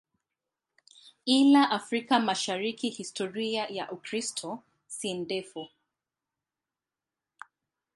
Ila Afrika Mashariki historia ya Ukristo si ndefu.